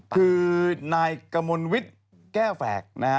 คือนายกมลวิทย์แก้วแฝกนะฮะ